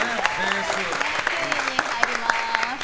９位に入ります。